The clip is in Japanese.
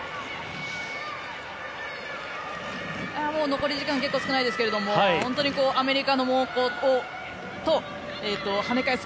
残り時間結構少ないですけれども本当にアメリカの猛攻と跳ね返す